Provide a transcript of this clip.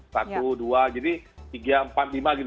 satu dua jadi tiga empat lima gitu